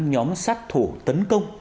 nhóm sát thủ tấn công